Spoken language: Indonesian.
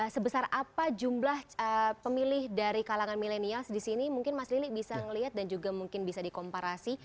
sebesar apa jumlah pemilih dari kalangan milenial di sini mungkin mas lili bisa melihat dan juga mungkin bisa dikomparasi